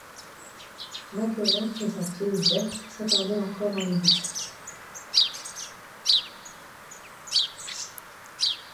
Macqueron et sa fille Berthe s’attardaient encore dans les boutiques.